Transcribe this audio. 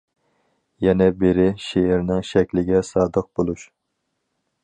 يەنە بىرى، شېئىرنىڭ شەكلىگە سادىق بولۇش.